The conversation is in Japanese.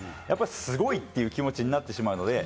すごいという気持ちになってしまうので。